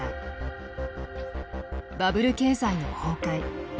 バブル経済の崩壊。